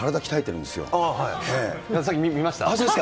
さっき見ました。